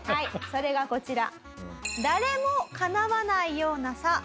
それがこちら。